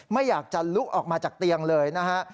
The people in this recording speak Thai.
ไม่อยากจะลุกออกมาจากเตียงเลยนะฮะ